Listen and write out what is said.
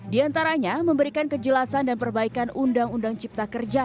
di antaranya memberikan kejelasan dan perbaikan undang undang cipta kerja